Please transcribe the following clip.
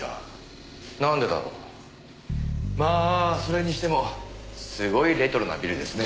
まあそれにしてもすごいレトロなビルですね。